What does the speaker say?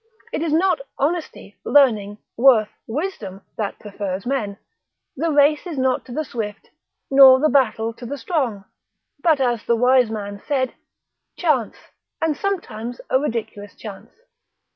It is not honesty, learning, worth, wisdom, that prefers men, The race is not to the swift, nor the battle to the strong, but as the wise man said, Chance, and sometimes a ridiculous chance.